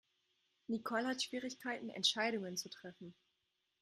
Nicole hat Schwierigkeiten Entscheidungen zu treffen.